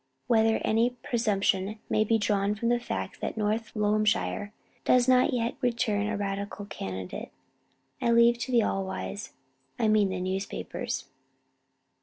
Whether any presumption may be drawn from the fact that North Loamshire does not yet return a Radical candidate, I leave to the all wise I mean the newspapers.